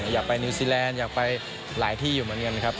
อยากไปนิวซีแลนด์อยากไปหลายที่อยู่เหมือนกันครับ